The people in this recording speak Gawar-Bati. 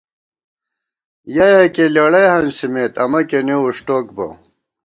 یَہ یَکِیہ لېڑَئی ہنسِمېت، امہ کېنےوُݭٹوک بہ